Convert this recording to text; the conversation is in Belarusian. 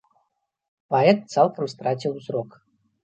Паэт цалкам страціў зрок.